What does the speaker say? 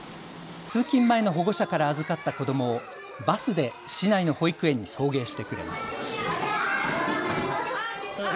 通勤前の保護者から預かった子どもをバスで市内の保育園に送迎してくれます。